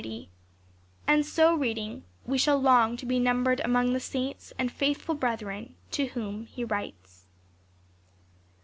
ity ; and so reading, we shall long to be numbered among the saints and faithful brethren to whom he writes.